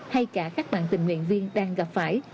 hay cả các bạn tình nguyện viên đang gặp phải